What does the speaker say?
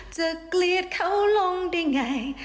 เกลียดเขาลงได้ไง